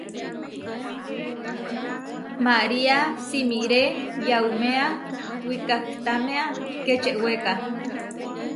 María simiré yauméa wikahtámea Kečewéka.